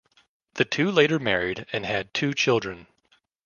The two later married and had two children.